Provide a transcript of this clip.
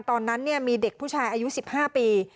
ตอนนั้นมีเด็กผู้ชายอายุ๑๕ปี